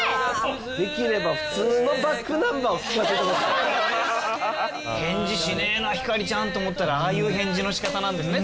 できれば普通の「ｂａｃｋｎｕｍｂｅｒ」を聴かせてほしかった返事しねえなひかりちゃんと思ったらああいう返事のしかたなんですね